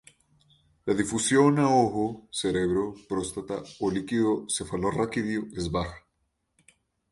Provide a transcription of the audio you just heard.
La difusión a ojo, cerebro, próstata o líquido cefalorraquídeo es baja.